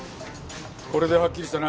これではっきりしたな。